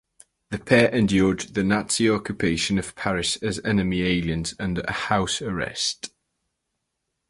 The pair endured the Nazi occupation of Paris as enemy aliens under house arrest.